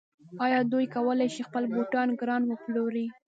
آیا دی کولی شي خپل بوټان ګران وپلوري؟